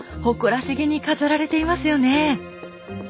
誇らしげに飾られていますよね。